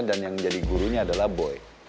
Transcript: dan yang jadi gurunya adalah boy